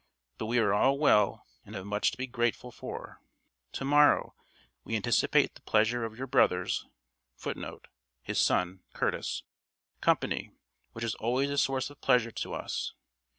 But we are all well and have much to be grateful for. To morrow we anticipate the pleasure of your brother's [Footnote: His son, Curtis.] company, which is always a source of pleasure to us.